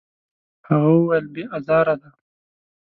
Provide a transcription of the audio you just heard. هغه وویل: «بې ازاره ده.»